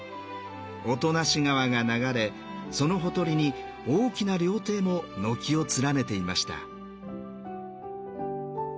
音無川が流れそのほとりに大きな料亭も軒を連ねていました。